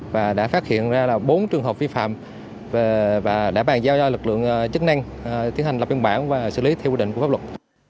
và đã phát hiện ra bốn trường hợp vi phạm và đã bàn giao cho lực lượng chức năng tiến hành lập biên bản và xử lý theo quy định của pháp luật